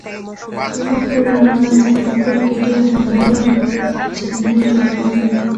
زما خور له نعناع څخه په کور کې ډېر خوندور چتني جوړوي.